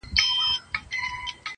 د دنيا حسن په څلورو دېوالو کي بند دی,